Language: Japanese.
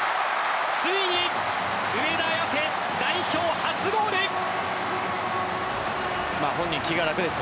ついに上田綺世代表初ゴールです。